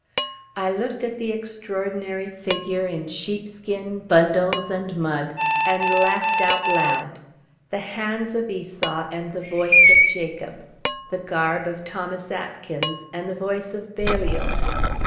I looked at the extraordinary figure in sheepskin, bundles and mud, and laughed out loud. The hands of Esau and the voice of Jacob. The garb of Thomas Atkins and the voice of Balliol.